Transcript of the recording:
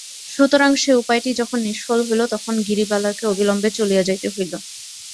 সুতরাং সে উপায়টি যখন নিষ্ফল হইল তখন গিরিবালাকে অবিলম্বে চলিয়া যাইতে হইল।